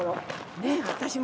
ねえ私も。